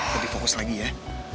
lebih fokus lagi ya